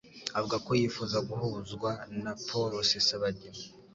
avuga ko yifuza guhuzwa na Paul Rusesabagina